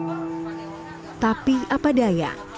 lutfi apa daya